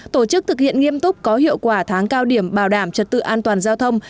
tổ chức thực hiện nghiêm túc có hiệu quả tháng cao điểm bảo đảm trật tự an toàn giao thông